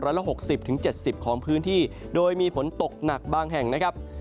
ละ๖๐๗๐ของพื้นที่โดยมีฝนตกหนักบางแห่งนะครับ